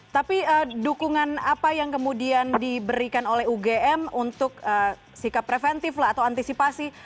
tapi dukungan apa yang kemudian diberikan oleh ugm untuk sikap preventif lah atau antisipasi